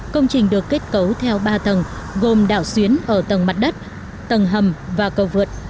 công trình được kết cấu theo ba tầng gồm đảo xuyến ở tầng mặt đất tầng hầm và cầu vượt